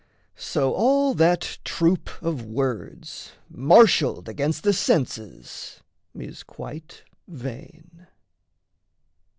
So all that troop of words Marshalled against the senses is quite vain.